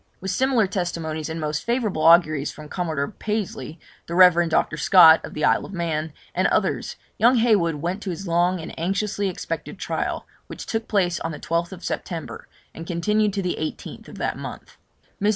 With similar testimonies and most favourable auguries from Commodore Pasley, the Rev. Dr. Scott, of the Isle of Man, and others, young Heywood went to his long and anxiously expected trial, which took place on the 12th September, and continued to the 18th of that month. Mrs.